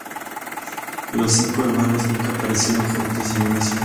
Los cinco hermanos nunca aparecieron juntos en un escenario.